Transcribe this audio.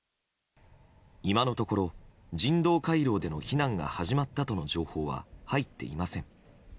今のところ、人道回廊での避難が始まったという情報は入っていません。